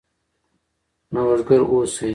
نوښتګر اوسئ.